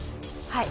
はい。